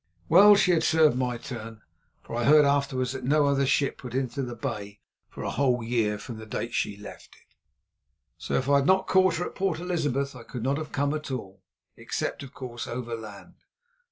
Well, she had served my turn, for I heard afterwards that no other ship put into the Bay for a whole year from the date she left it. So if I had not caught her at Port Elizabeth I could not have come at all, except, of course, overland.